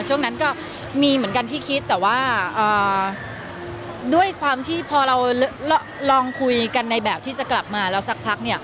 ช่วงนั้นก็มีเหมือนกันที่คิดแต่ว่าด้วยความที่พอเราลองคุยกันในแบบที่จะกลับมาแล้วสักพักเนี่ย